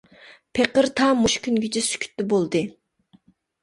پېقىر تا مۇشۇ كۈنگىچە سۈكۈتتە بولدى.